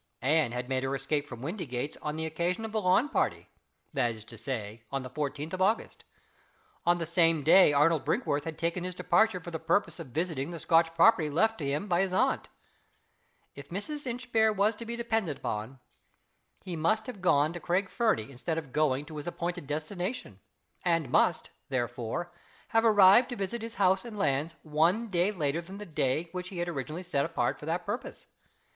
Anne had made her escape from Windygates on the occasion of the lawn party that is to say, on the fourteenth of August. On the same day Arnold Brinkworth had taken his departure for the purpose of visiting the Scotch property left to him by his aunt. If Mrs. Inchbare was to be depended on, he must have gone to Craig Fernie instead of going to his appointed destination and must, therefore, have arrived to visit his house and lands one day later than the day which he had originally set apart for that purpose.